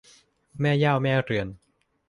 แม่เหย้าแม่เรือน